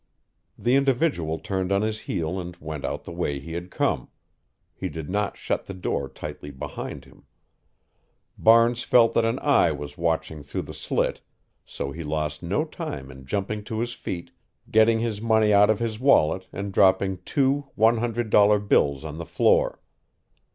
The individual turned on his heel and went out the way he had come. He did not shut the door tightly behind him. Barnes felt that an eye was watching through the slit, so he lost no time in jumping to his feet, getting his money out of his wallet and dropping two one hundred dollar bills on the floor.